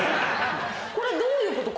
これどういうこと？